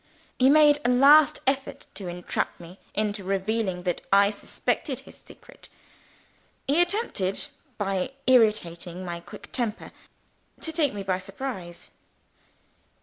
He made a last effort to entrap me into revealing that I suspected his secret he attempted, by irritating my quick temper, to take me by surprise.